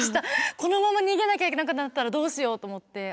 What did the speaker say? このまま逃げなきゃいけなくなったらどうしようと思って。